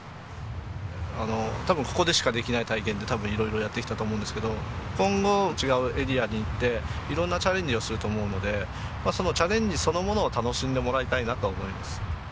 多分ここでしかできない体験って多分色々やってきたと思うんですけど今後違うエリアに行って色んなチャレンジをすると思うのでそのチャレンジそのものを楽しんでもらいたいなとは思います。